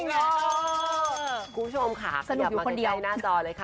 คุณผู้ชมค่ะอยากมาในใจหน้าจอเลยค่ะ